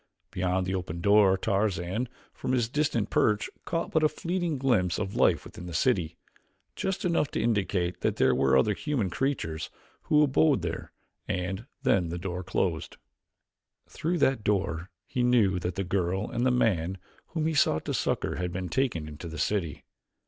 Beyond the open door Tarzan, from his distant perch, caught but a fleeting glimpse of life within the city, just enough to indicate that there were other human creatures who abode there, and then the door closed. Through that door he knew that the girl and the man whom he sought to succor had been taken into the city.